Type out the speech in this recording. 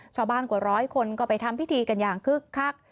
ชาวบ้านกว่า๑๐๐คนก็ไปทำพิธีกันอย่างคึกคัก